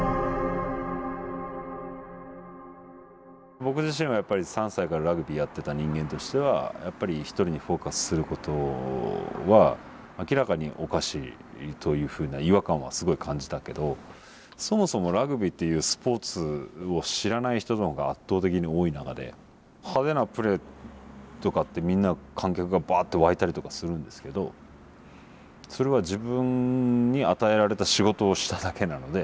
僕自身はやっぱり３歳からラグビーやっていた人間としてはやっぱり一人にフォーカスすることは明らかにおかしいというふうな違和感はすごい感じたけどそもそもラグビーっていうスポーツを知らない人の方が圧倒的に多い中で派手なプレーとかってみんな観客がばっと沸いたりとかするんですけどそれは自分に与えられた仕事をしただけなので。